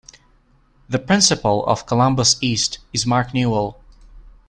The principal of Columbus East is Mark Newell.